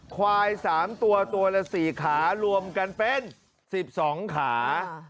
ควาย๓ตัวตัวละ๔ขารวมกันเป็น๑๒ขา